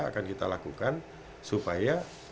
akan kita lakukan supaya